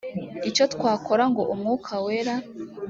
icyo twakora ngo umwuka wera